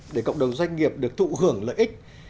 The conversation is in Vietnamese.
để cộng đồng doanh nghiệp được thụ hưởng lợi ích